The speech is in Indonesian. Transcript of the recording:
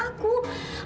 kamu lagi nunggu